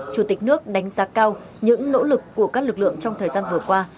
chủ tịch nước đánh giá cao những nỗ lực của các lực lượng trong thời gian vừa qua